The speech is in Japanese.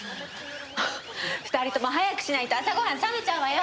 ２人とも早くしないと朝ごはん冷めちゃうわよ！